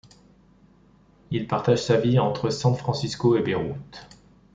Il partage sa vie entre San Francisco et Beyrouth.